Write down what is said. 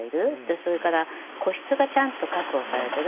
それから個室がちゃんと確保されてる。